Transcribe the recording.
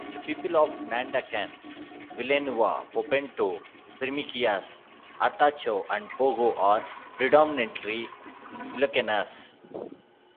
The people of Nandacan, Villanueva, Poponto, Primicias, Artacho and Pogo are predominantly Ilocanos.